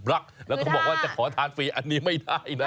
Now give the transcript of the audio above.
รักแล้วก็บอกว่าจะขอทานฟรีอันนี้ไม่ได้นะ